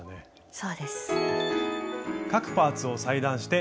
そうです。